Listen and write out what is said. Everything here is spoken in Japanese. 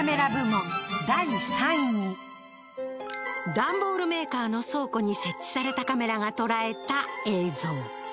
ダンボールメーカーの倉庫に設置されたカメラが捉えた映像。